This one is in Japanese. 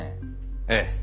ええ。